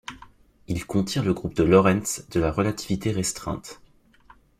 Il contient le groupe de Lorentz de la relativité restreinte.